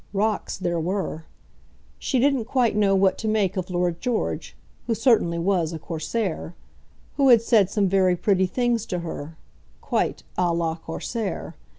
Rocks there were. She didn't quite know what to make of Lord George, who certainly was a Corsair, who had said some very pretty things to her, quite à la Corsair.